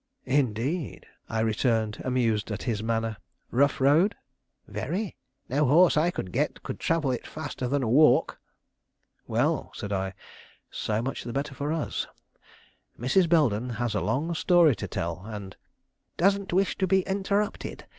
"Indeed!" I returned, amused at his manner. "Rough road?" "Very; no horse I could get could travel it faster than a walk." "Well," said I, "so much the better for us. Mrs. Belden has a long story to tell, and " "Doesn't wish to be interrupted.